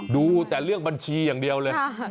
ดูแต่เรื่องบัญชีอย่างเดียวเลย